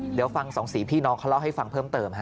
เดี๋ยวฟังสองสีพี่น้องเขาเล่าให้ฟังเพิ่มเติมฮะ